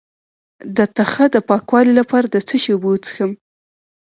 د تخه د پاکوالي لپاره د څه شي اوبه وڅښم؟